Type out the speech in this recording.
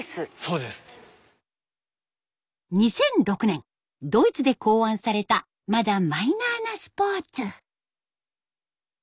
２００６年ドイツで考案されたまだマイナーなスポーツ。